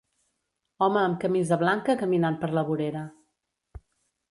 Home amb camisa blanca caminant per la vorera